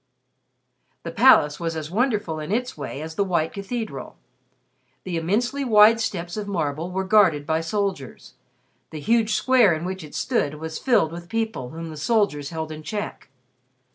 The Palace was as wonderful in its way as the white cathedral. The immensely wide steps of marble were guarded by soldiers. The huge square in which it stood was filled with people whom the soldiers held in check.